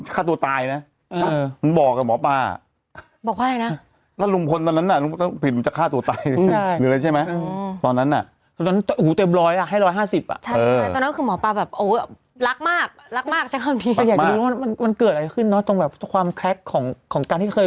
คน๒คน๓คนมคบ๊วย